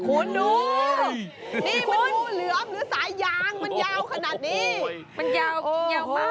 คุณดูนี่มันงูเหลือมหรือสายยางมันยาวขนาดนี้